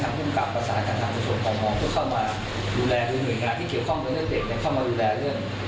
เหมือนกันที่เกี่ยวข้องกับเรื่องเด็กจะเข้ามาดูแลเรื่องเด็กคนนี้ด้วยครับ